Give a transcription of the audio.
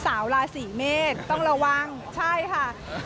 สาวราศีเมษต้องระวังใช่ค่ะ